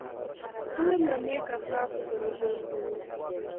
خور له نیک اخلاقو سره ژوند کوي.